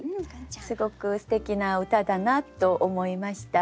すごくすてきな歌だなと思いました。